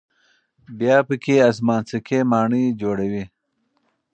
بیا پکې آسمانڅکې ماڼۍ جوړوي.